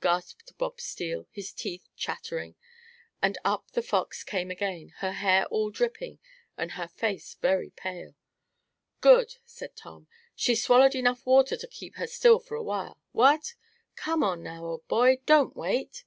gasped Bob Steele, his teeth chattering, and up The Fox came again, her hair all dripping, and her face very pale. "Good!" said Tom. "She's swallowed enough water to keep her still for a while what? Come on, now, old boy! Don't wait!